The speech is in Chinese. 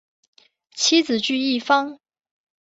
妻子琚逸芳。